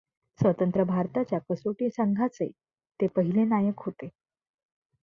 स्वतंत्र भारताच्या कसोटी संघाचे ते पहिले नायक होते.